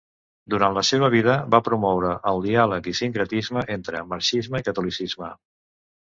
Durant la seva vida, va promoure el diàleg i sincretisme entre marxisme i catolicisme.